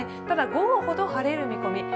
ただ午後ほど晴れる見込み。